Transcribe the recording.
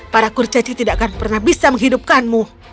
para kurcaci tidak akan pernah bisa menghidupkanmu